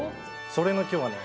それの今日はね